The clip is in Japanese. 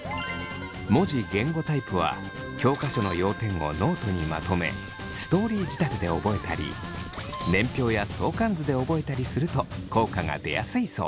文字・言語タイプは教科書の要点をノートにまとめストーリー仕立てで覚えたり年表や相関図で覚えたりすると効果が出やすいそう。